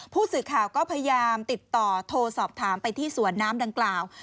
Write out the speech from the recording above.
ผู้สื่อข่าวก็พยายามติดต่อโทรสอบถามไปที่สวนน้ำดังกล่าว